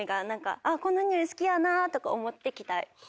このにおい好きやなとか思って着たい。